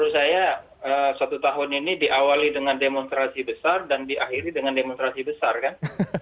menurut saya satu tahun ini diawali dengan demonstrasi besar dan diakhiri dengan demonstrasi besar kan